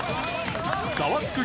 ザワつく！